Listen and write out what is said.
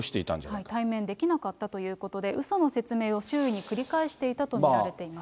対面できなかったということで、うその説明を周囲に繰り返していたと見られています。